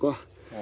あ。